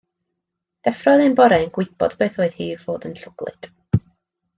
Deffrodd un bore yn gwybod beth oedd hi i fod yn llwglyd.